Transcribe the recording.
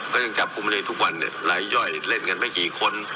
ก็ยังจับกลุ่มไม่ได้ทุกวันเนี่ยหลายย่อยเล่นกันไม่กี่คน